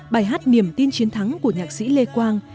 bài hát niềm tin chiến thắng của nhạc sĩ lê quang